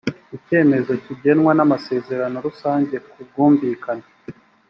icyemezo kigenwa n’amasezerano rusange ku bwumvikane